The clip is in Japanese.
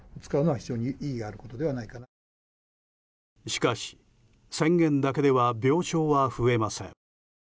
しかし、宣言だけでは病床は増えません。